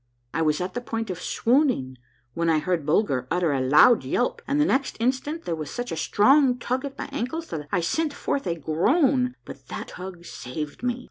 I was at the point of swoon ing when I heard Bulger utter a loud yelp, and the next instant there was such a strong tug at my ankles that I sent forth a groan, but that tug saved me